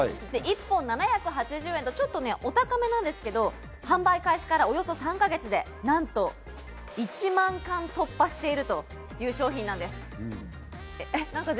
１本７８０円とちょっとお高めなんですけれど販売開始からおよそ３か月でなんと１万缶突破しているという商品です。